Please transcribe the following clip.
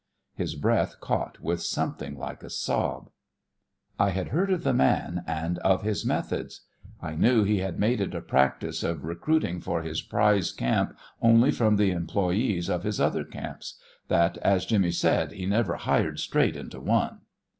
His breath caught with something like a sob. I had heard of the man and of his methods. I knew he had made it a practice of recruiting for his prize camp only from the employees of his other camps, that, as Jimmy said, he never "hired straight into One."